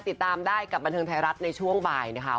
ติดตามได้กับบันเทิงไทยรัฐในช่วงบ่ายนะคะ